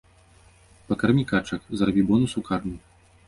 Пакармі качак, зарабі бонус у карму!